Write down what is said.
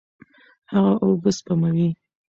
هغه اوبه سپموي.